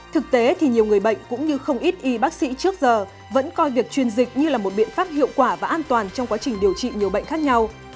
thực tế thì nhiều người bệnh cũng như không ít y bác sĩ trước giờ vẫn coi việc truyền dịch như là một biện pháp hiệu quả và an toàn trong quá trình điều trị nhiều bệnh khác nhau